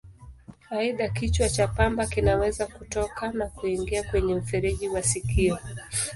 Aidha, kichwa cha pamba kinaweza kutoka na kuingia kwenye mfereji wa sikio.